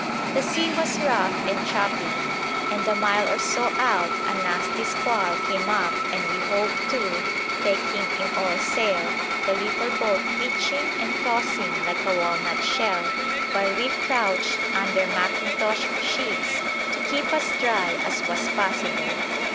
The sea was rough and choppy, and a mile or so out a nasty squall came up and we hove to, taking in all sail, the little boat pitching and tossing like a walnut shell, while we crouched under mackintosh sheets to keep as dry as was possible.